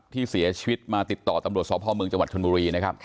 ที่เสียชีวิตมาติดต่อตำรวจสพเมืองจังหวัดชนบุรีนะครับ